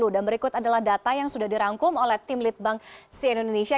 dan berikut adalah data yang sudah dirangkum oleh tim litbang si indonesia